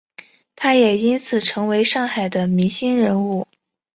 他也因此成为上海的明星人物。